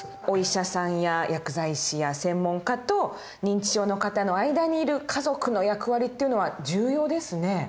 お医者さんや薬剤師や専門家と認知症の方の間にいる家族の役割っていうのは重要ですね。